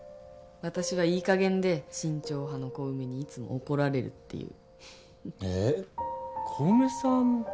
私はいいかげんで慎重派の小梅にいつも怒られるっていうふふっ。